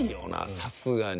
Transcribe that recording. さすがに。